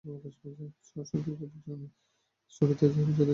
স্ব-স্ব cricket board জুনের শুরুতে দলের সদস্যদের তালিকা প্রকাশ করে।